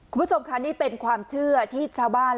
คุณผู้ชมค่ะนี่เป็นความเชื่อที่ชาวบ้าน